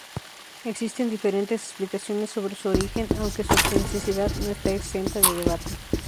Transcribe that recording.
Existen diferentes explicaciones sobre su origen, aunque su autenticidad no está exenta de debate.